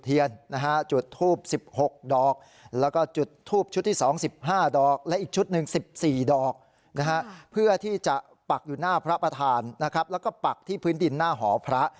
ที่พื้นดินหน้าหอพระ